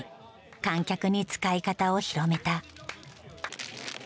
観客に使い方を広めた。